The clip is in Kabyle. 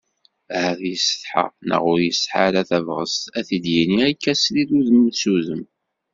Ahat yessetḥa, neɣ ur yesɛi ara tabɣest a t-id-yini akka srid udem s udem.